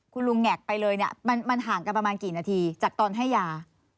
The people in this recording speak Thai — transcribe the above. คุณลุงแงกไปเลยเนี่ยมันห่างกันประมาณกี่นาทีจากตอนให้ยา